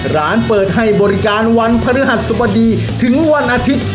ร้านเปิดให้บริการวันพฤหัสสบดีถึงวันอาทิตย์